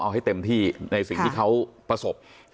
เอาให้เต็มที่ในสิ่งที่เขาประสบ